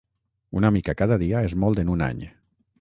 Una mica cada dia és molt en un any.